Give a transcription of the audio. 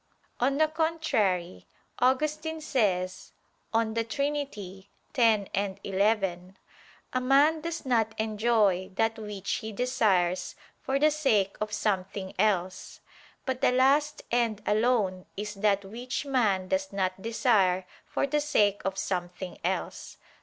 On the contrary, Augustine says (De Trin. x, 11): "A man does not enjoy that which he desires for the sake of something else." But the last end alone is that which man does not desire for the sake of something else.